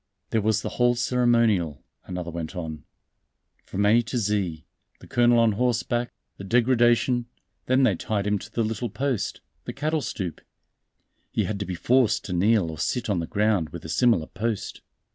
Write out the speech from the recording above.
"There was the whole ceremonial," another went on, "from A to Z the colonel on horseback, the degradation; then they tied him to the little post, the cattle stoup. He had to be forced to kneel or sit on the ground with a similar post."